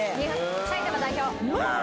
埼玉代表。